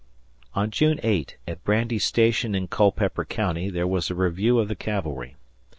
On June 8, at Brandy Station in Culpeper County, there was a review of the cavalry.